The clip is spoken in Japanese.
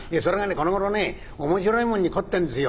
このごろね面白いもんに凝ってんですよ」。